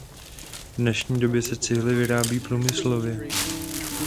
V dnešní době se cihly vyrábí průmyslově.